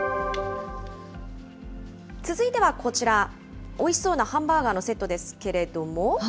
続いてはこちら、おいしそうなハンバーガーのセットですけれども。